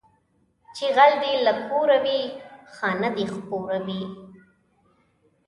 چې غل دې له کوره وي، خانه دې خپوره وي